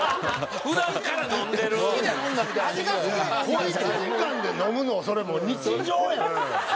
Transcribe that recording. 小一時間で飲むのはそれもう日常やん。